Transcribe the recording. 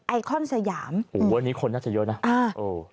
ไอคอนสยามโอ้โฮอันนี้คนน่าจะเยอะนะโอ้โฮ